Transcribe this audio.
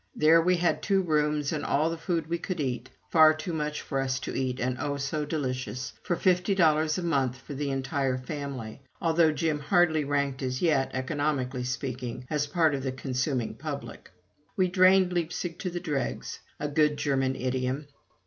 There we had two rooms and all the food we could eat, far too much for us to eat, and oh! so delicious, for fifty five dollars a month for the entire family, although Jim hardly ranked as yet, economically speaking, as part of the consuming public. We drained Leipzig to the dregs a good German idiom.